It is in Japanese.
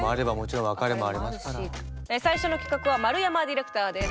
最初の企画は丸山ディレクターです。